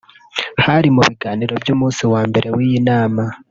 Hari mu biganiro by’umunsi wa mbere w’iyi nama